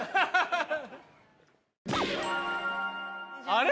あれ？